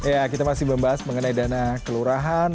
ya kita masih membahas mengenai dana kelurahan